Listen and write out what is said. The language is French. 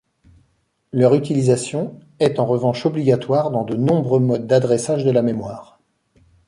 Leur utilisation est en revanche obligatoire dans de nombreux modes d'adressage de la mémoire.